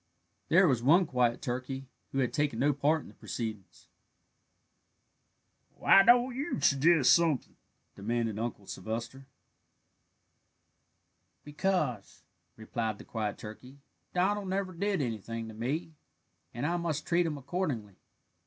There was one quiet turkey who had taken no part in the proceedings. "Why don't you suggest something?" demanded Uncle Sylvester. "Because," replied the quiet turkey, "Donald never did anything to me, and I must treat him accordingly.